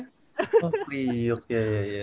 oh priok ya ya ya